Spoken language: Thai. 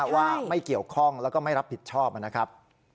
ว่าไม่เกี่ยวข้องแล้วก็ไม่รับผิดชอบนะครับ